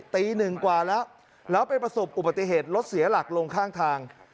ตีหนึ่งกว่าแล้วแล้วไปประสบอุบัติเหตุรถเสียหลักลงข้างทาง